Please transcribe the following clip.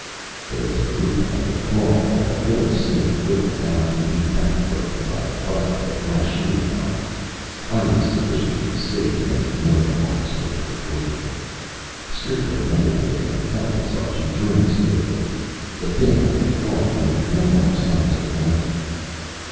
There was a movement under the cloth, and a little snake wriggled out, to be back broken by the butt of the masheer rod. I was sufficiently sick to make no remarks worth recording. Strickland meditated and helped himself to drinks liberally. The thing under the cloth made no more signs of life.